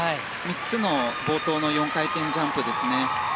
３つの冒頭の４回転ジャンプですね。